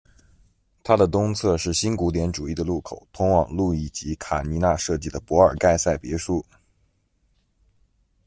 它的东侧是新古典主义的入口，通往路易吉·卡尼纳设计的博尔盖塞别墅。